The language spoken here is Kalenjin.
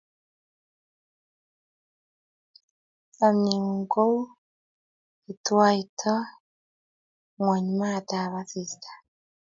Chomye ng'ung' kou yetwaitoi ng'ony maat ap asista.